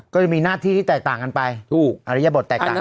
ก็จะมีหน้าที่ที่แตกต่างกันไปถูกอริยบทแตกต่างกัน